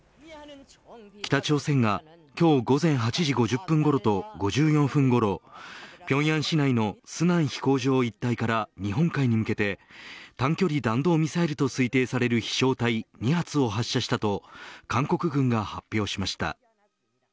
北朝鮮が今日午前８時５０分ごろと５４分ごろ平壌市内の順安飛行場一帯から日本海に向けて短距離弾道ミサイルと推定される飛しょう体２発を発射したと韓国軍が発表しました。